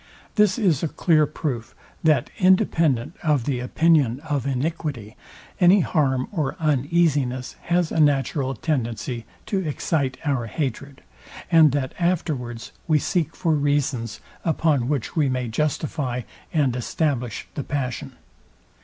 This is a clear proof, that, independent of the opinion of iniquity, any harm or uneasiness has a natural tendency to excite our hatred, and that afterwards we seek for reasons upon which we may justify and establish the passion.